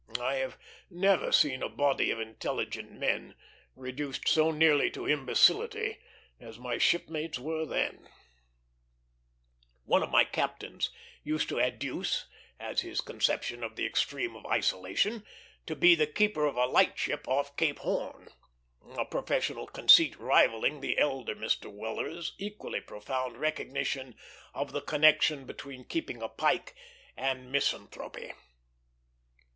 I have never seen a body of intelligent men reduced so nearly to imbecility as my shipmates then were. One of my captains used to adduce, as his conception of the extreme of isolation, to be the keeper of a lightship off Cape Horn; a professional conceit rivalling the elder Mr. Weller's equally profound recognition of the connection between keeping a pike and misanthropy.